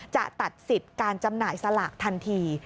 จะตัดสิทธิ์การจำหน่ายสลากทันที